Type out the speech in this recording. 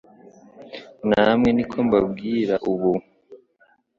namwe niko mbabwira ubu."